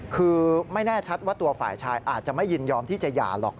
คือไม่แน่ชัดว่าตัวฝ่ายชายอาจจะไม่ยินยอมที่จะหย่าหรอก